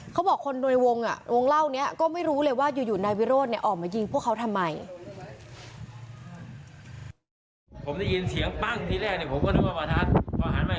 เขาบอกคนโดยวงเล่านี้ก็ไม่รู้เลยว่าอยู่นายวิโรธเนี่ยออกมายิงพวกเขาทำไม